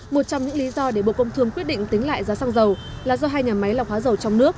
một trong những lý do để bộ công thương quyết định tính lại giá xăng dầu là do hai nhà máy lọc hóa dầu trong nước